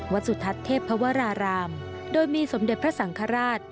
สุทัศน์เทพวรารามโดยมีสมเด็จพระสังฆราช